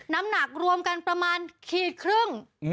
น้ำหนักรวมกันประมาณขีดครึ่ง